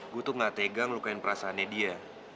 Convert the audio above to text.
gue tuh gak tegang lukain perasaannya dia